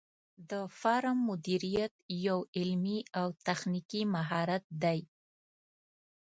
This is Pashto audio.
د فارم مدیریت یو علمي او تخنیکي مهارت دی.